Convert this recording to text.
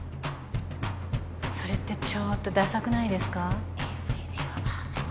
それってちょっとださくないですか？